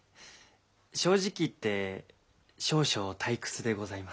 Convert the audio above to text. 正直言って少々退屈でございます。